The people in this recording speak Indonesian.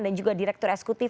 dan juga direktur eksekutif